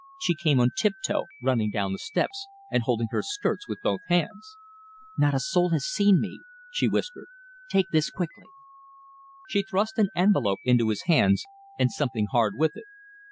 She came on tiptoe, running down the steps and holding her skirts with both hands. "Not a soul has seen me," she whispered. "Take this quickly." She thrust an envelope into his hands, and something hard with it.